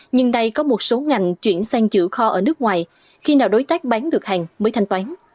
nhưng đây có một số ngành chuyển sang chữ kho ở nước ngoài khi nào đối tác bán được hàng mới thanh toán